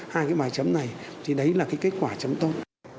hai cái bài chấm này thì đấy là cái kết quả chấm tốt